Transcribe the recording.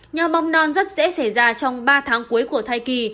nhau bong non rất dễ xảy ra trong ba tháng cuối của thai kỳ